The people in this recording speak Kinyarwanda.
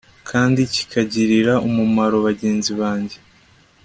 kandi kikagirira umumaro bagenzi banjye